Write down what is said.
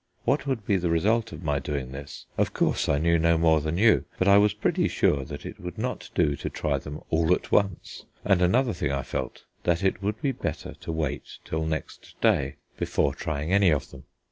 What would be the result of my doing this, of course I knew no more than you: but I was pretty sure that it would not do to try them all at once, and another thing I felt, that it would be better to wait till next day before trying any of them.